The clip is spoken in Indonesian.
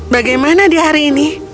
bagaimana dia hari ini